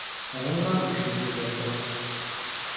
А я не могу жить без этого.